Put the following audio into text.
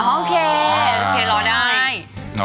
โอเครอได้รอได้ค่ะ